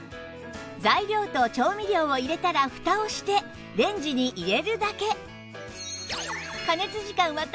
材料と調味料を入れたらフタをしてレンジに入れるだけ！